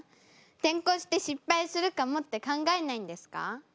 転向して失敗するかもって考えないんですか？